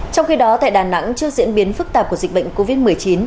trong khi đó tại đà nẵng trước diễn biến phức tạp của dịch bệnh covid một mươi chín